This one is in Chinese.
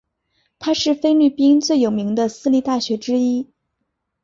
它是菲律宾最有名的私立大学之一。